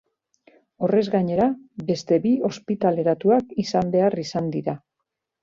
Horrez gainera, beste bi ospitaleratuak izan behar izan dira.